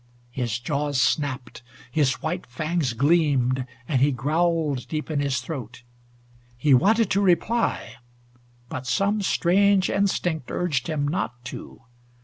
His jaws snapped. His white fangs gleamed, and he growled deep in his throat. He wanted to reply, but some strange instinct urged him not to.